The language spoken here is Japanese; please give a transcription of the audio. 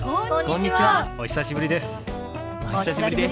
お久しぶりです。